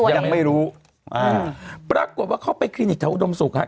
ยังไม่รู้ตัวเองปรากฏว่าเข้าไปคลินิกทะวุดมสุก